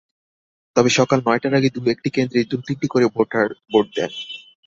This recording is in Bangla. তবে সকাল নয়টার আগে দু-একটি কেন্দ্রে দু-তিনটি করে ভোটার ভোট দেন।